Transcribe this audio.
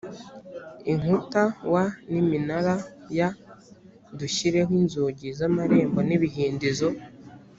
inkuta w n iminara y dushyireho inzugi z amarembo n ibihindizo